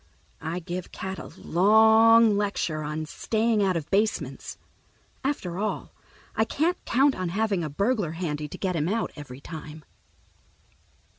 I give Cat a long lecture on staying out of basements. After all, I can't count on having a burglar handy to get him out every time.